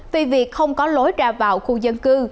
vì việc không có lối ra vào khu dân cư